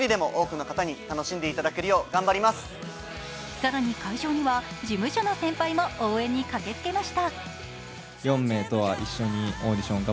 更に会場には、事務所の先輩も応援に駆けつけました。